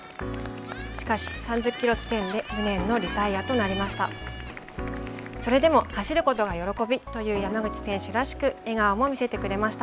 しかし、３０キロ地点で無念のリタイアとなりました。